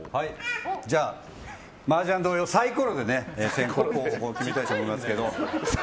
じゃあマージャン同様サイコロで先攻後攻決めたいと思いますけど。